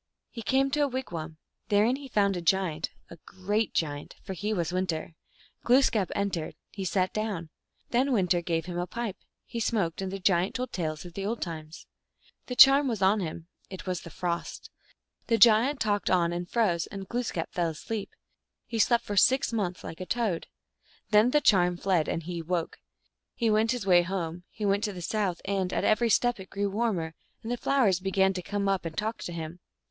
He came to a wigwam. Therein he found a giant, a great giant, for he was Winter. Glooskap entered ; he sat down. Then Winter gave him a pipe ; he smoked, and the giant told tales of the old times. The charm was 011 him ; it was the Frost. The giant talked on and froze, and Glooskap fell asleep. He slept for six months, like a toad. Then the charm fled, and he awoke. He went his way home ; he went to the south, and at every step it grew warmer, and the flowers began to come up and talk to him.